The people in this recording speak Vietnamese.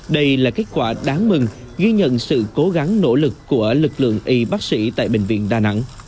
đây là kết quả đáng mừng ghi nhận sự cố gắng nỗ lực của lực lượng y bác sĩ tại bệnh viện đà nẵng